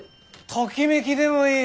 ときめきでもいい！